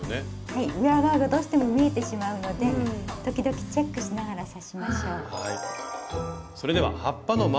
はい裏側がどうしても見えてしまうので時々チェックしながら刺しましょう。